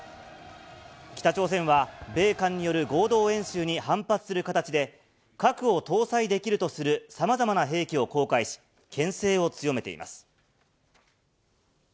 北朝鮮は、米韓による合同演習に反発する形で、核を搭載できるとするさまざまな兵器を公開し、けん制を強めています。